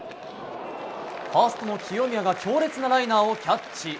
ファーストの清宮が強烈なライナーをキャッチ。